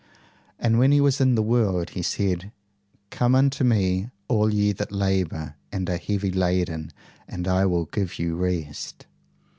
And when he was in the world, he said, 'COME UNTO ME ALL YE THAT LABOUR AND ARE HEAVY LADEN, AND I WILL GIVE YOU REST.